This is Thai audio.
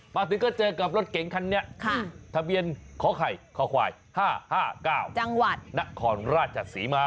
มาถึงก็เจอกับรถเก๋งคันนี้ทะเบียนขอไข่คควาย๕๕๙จังหวัดนครราชศรีมา